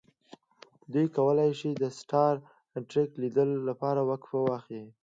دوی کولی شي د سټار ټریک لیدلو لپاره وقفه واخلي